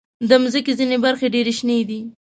د مځکې ځینې برخې ډېر شنې دي.